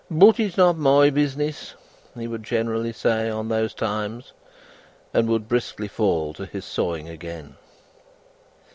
"But it's not my business!" he would generally say at those times, and would briskly fall to his sawing again.